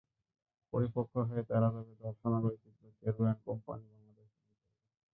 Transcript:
পরিপক্ব হয়ে তারা যাবে দর্শনার ঐতিহ্য কেরু অ্যান্ড কোম্পানি বাংলাদেশ লিমিটেডে।